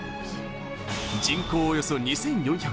人口およそ２４００人。